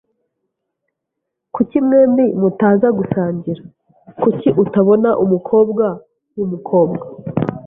Kuki mwembi mutaza gusangira? ] Kuki utabona umukobwa wumukobwa?